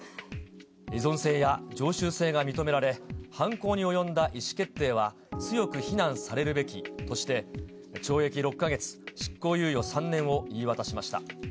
依存性や常習性が認められ、犯行に及んだ意思決定は強く非難されるべきとして、懲役６か月執行猶予３年を言い渡しました。